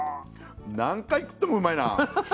何回食ってもうまいな。